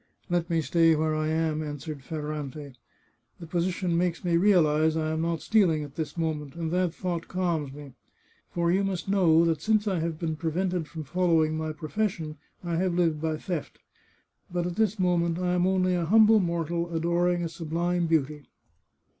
" Let me stay where I am," answered Ferrante. " The position makes me realize I am not stealing at this moment, and that thought calms me. For you must know that since I have been prevented from following my profession, I have lived by theft. But at this moment I am only a humble mortal adoring a sublime beauty."